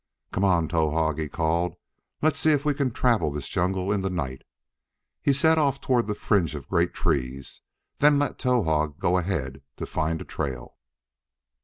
"Come on, Towahg!" he called. "Let's see if we can travel this jungle in the night!" He set off toward the fringe of great trees, then let Towahg go ahead to find a trail.